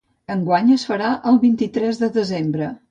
Enguany es farà el vint-i-tres de desembre.